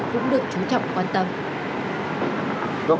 cũng được trú trọng quan tâm